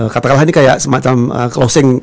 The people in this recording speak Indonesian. katakanlah ini kayak semacam closing